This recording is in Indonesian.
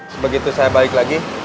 sebegitu saya balik lagi